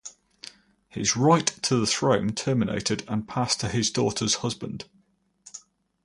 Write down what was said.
His right to the throne terminated and passed to his daughter's husband.